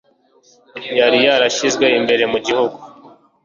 yari yarashyizwe imbere mu gihugu